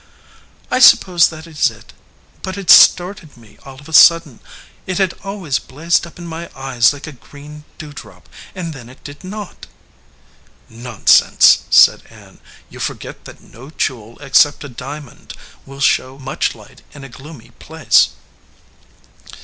"I suppose that is it. But it startled me all of a sudden. It had always blazed up in my eyes like a green dewdrop, and then it did not." "Nonsense," said Ann. "You forget that no jewel except a diamond will show much light in a gloomy place."